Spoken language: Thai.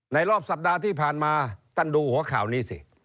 รอบสัปดาห์ที่ผ่านมาท่านดูหัวข่าวนี้สิ